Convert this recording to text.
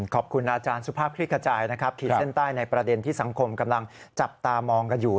ขอบคุณอาจารย์สุภาพคลิกขจายนะครับขีดเส้นใต้ในประเด็นที่สังคมกำลังจับตามองกันอยู่